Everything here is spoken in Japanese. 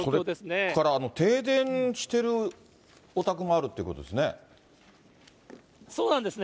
それから停電してるお宅もあるということですね。